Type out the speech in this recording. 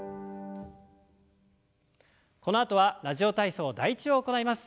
このあとは「ラジオ体操第１」を行います。